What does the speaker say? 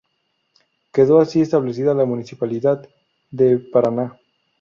Quedó así establecida la municipalidad de Paraná.